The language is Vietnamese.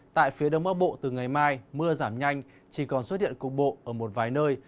tại phía đông bắc bộ từ ngày mai mưa giảm nhanh chỉ còn xuất hiện cục bộ ở một vài nơi